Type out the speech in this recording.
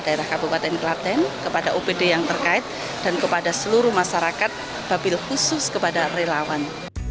daerah kabupaten kelaten kepada opd yang terkait dan kepada seluruh masyarakat babil khusus kepada relawan